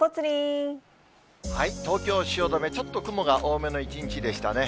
東京・汐留、ちょっと雲が多めの一日でしたね。